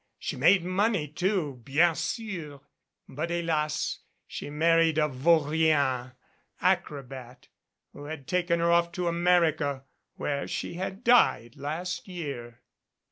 She made money, too, bien sur, but Tielasl she married a vaurien acrobat who had taken her off to America, where she had died last year.